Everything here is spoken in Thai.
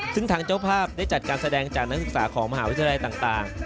ซึ่งทางเจ้าภาพได้จัดการแสดงจากนักศึกษาของมหาวิทยาลัยต่าง